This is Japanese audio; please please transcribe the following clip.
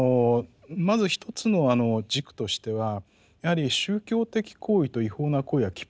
まず一つの軸としてはやはり宗教的行為と違法な行為はきっぱり分けるべきだ。